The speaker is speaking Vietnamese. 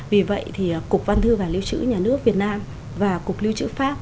vì vậy thì cục văn thư và lưu trữ nhà nước việt nam và cục lưu trữ pháp